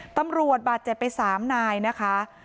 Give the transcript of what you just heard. ตำรวจบาดเจ็บไป๓นายนะคะ